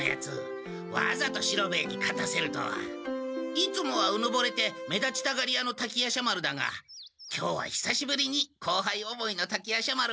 いつもはうぬぼれて目立ちたがり屋の滝夜叉丸だが今日はひさしぶりに後輩思いの滝夜叉丸を見た。